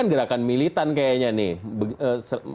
gerakan militan kayaknya nih